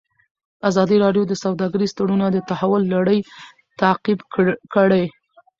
ازادي راډیو د سوداګریز تړونونه د تحول لړۍ تعقیب کړې.